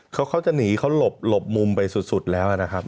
เขาเขาจะหนีเขาหลบหลบมุมไปสุดแล้วนะครับ